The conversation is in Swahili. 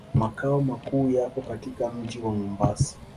Makao makuu yako katika mji wa Mombasa.